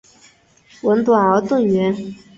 吻短而钝圆。